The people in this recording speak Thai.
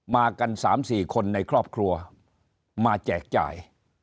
มากัน๓๔คนในครอบครัวมาแจกจ่าย